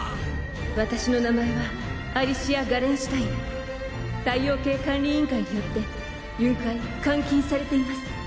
「私の名前はアリシア・ガレンシュタイン」「太陽系管理委員会によって誘拐監禁されています」